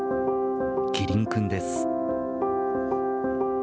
キリン君です。